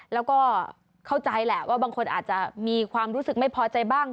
แล้วก็เข้าใจแหละว่าบางคนอาจจะมีความรู้สึกไม่พอใจบ้าง